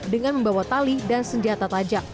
dengan membawa tali dan senjata tajam